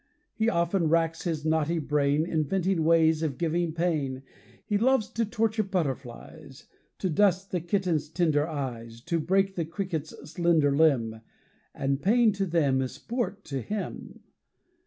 He often racks his naughty brain Inventing ways of giving pain. He loves to torture butterflies To dust the kitten's tender eyes To break the cricket's slender limb; And pain to them is sport to him.